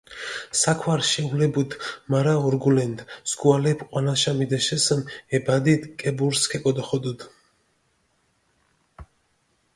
საქვარი შეულებუდჷ, მარა ორგულენდჷ, სქუალეფი ჸვანაშა მიდეშჷნი, ე ბადიდი კებურსჷ ქეკოდოხოდჷდჷ.